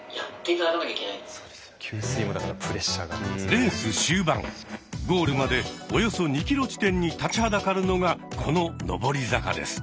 レース終盤ゴールまでおよそ２ｋｍ地点に立ちはだかるのがこの上り坂です。